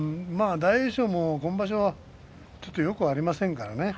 大栄翔は今場所ちょっとよくありませんからね。